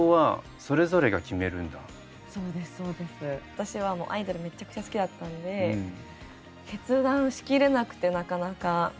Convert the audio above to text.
私はもうアイドルめっちゃくちゃ好きだったんで決断しきれなくてなかなか。